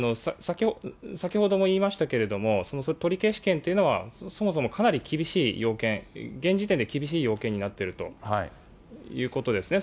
先ほども言いましたけれども、取消権というのは、そもそもかなり厳しい要件、現時点で厳しい要件になっているということですね。